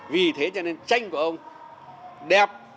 vì thế cho nên tranh của ông đẹp